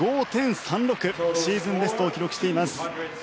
シーズンベストを記録しています。